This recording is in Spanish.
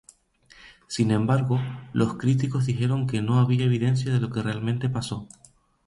Sin embargo, los críticos dijeron que no había evidencia de lo que realmente pasó.